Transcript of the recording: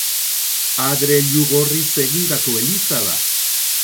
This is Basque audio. Adreilu gorriz egindako eliza da.